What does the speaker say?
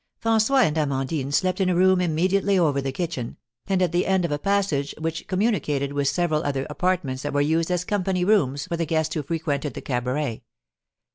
François and Amandine slept in a room immediately over the kitchen, and at the end of a passage which communicated with several other apartments that were used as "company rooms" for the guests who frequented the cabaret.